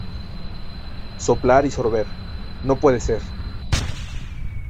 Soplar y sorber, no puede ser.